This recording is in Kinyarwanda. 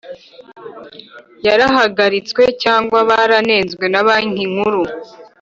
yarahagaritswe cyangwa baranenzwe na Banki Nkuru